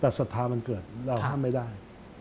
แต่ศรัทธามันเกิดเราห้ามไม่ได้